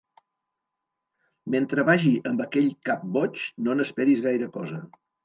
Mentre vagi amb aquell cap boig no n'esperis gaire cosa.